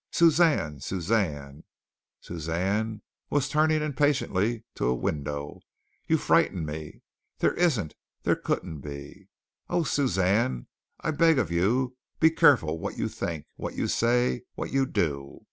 Suzanne, Suzanne" Suzanne was turning impatiently to a window "you frighten me! There isn't, there couldn't be. Oh, Suzanne, I beg of you, be careful what you think, what you say, what you do!